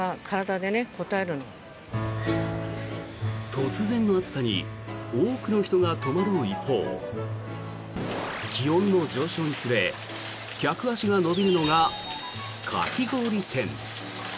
突然の暑さに多くの人が戸惑う一方気温の上昇につれ客足が伸びるのが、かき氷店。